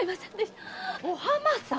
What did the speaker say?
お浜さん